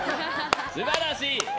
素晴らしい。